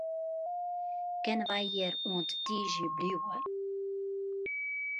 Kinne wy hjir oant tiisdei bliuwe?